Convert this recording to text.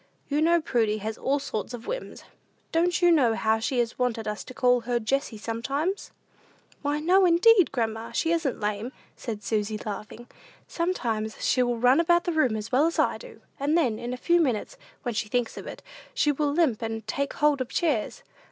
You know Prudy has all sorts of whims. Don't you know how she has wanted us to call her Jessie sometimes?" "Why, no, indeed, grandma, she isn't lame," said Susy, laughing. "Sometimes she will run about the room as well as I do, and then, in a few minutes, when she thinks of it, she will limp and take hold of chairs.